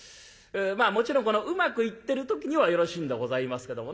まあもちろんこのうまくいってる時にはよろしいんでございますけどもね